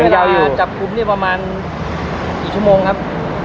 ใช้เวลาจับกลุ่มพอประมาณกี่ชั่วโมงครับ